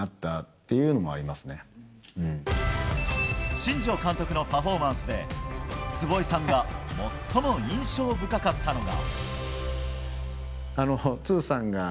新庄監督のパフォーマンスで坪井さんが最も印象深かったのが。